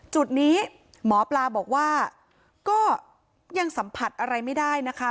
จุดนี้หมอปลาบอกว่าก็ยังสัมผัสอะไรไม่ได้นะคะ